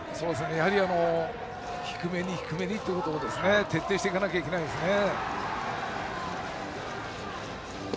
やはり低めに低めにというところを徹底していかなきゃいけないですね。